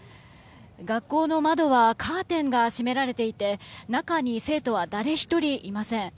学校の窓はカーテンが閉められていて中に生徒は誰一人いません。